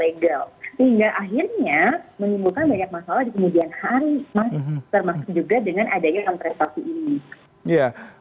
sehingga akhirnya menimbulkan banyak masalah di kemudian hari mas termasuk juga dengan adanya kontestasi ini